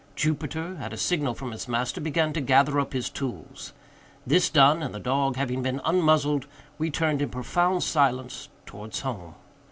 Jupiter, at a signal from his master, began to gather up his tools. This done, and the dog having been unmuzzled, we turned in profound silence towards home.